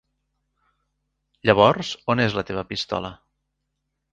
Llavors on és la teva pistola?